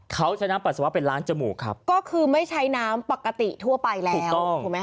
เขาใช้น้ำปัสสาวะไปล้างจมูกครับก็คือไม่ใช้น้ำปกติทั่วไปแล้วถูกต้องถูกไหมค